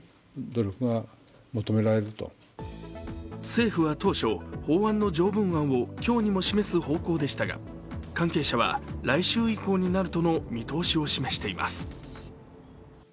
政府は当初、法案の条文案を今日にも示す方向でしたが関係者は来週以降になるとの見通しを示しています。